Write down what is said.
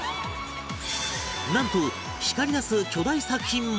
なんと光りだす巨大作品まで